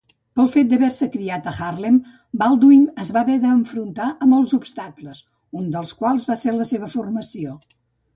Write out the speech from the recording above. Pel fet d'haver-se criat a Harlem, Baldwin es va haver d'enfrontar a molts obstacles, un dels quals va ser la seva formació.